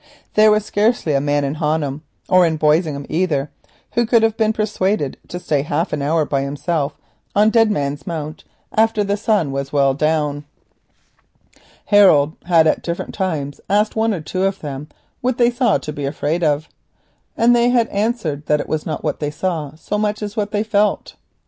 There was scarcely a man in Honham, or in Boisingham either, who could have been persuaded to stay half an hour by himself on Dead Man's Mount after the sun was well down. Harold had at different times asked one or two of them what they saw to be afraid of, and they had answered that it was not what they saw so much as what they felt.